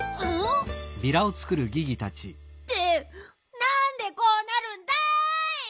ってなんでこうなるんだい！